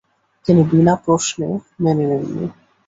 তিনি বিনা প্রশ্নে মেনে নেননি।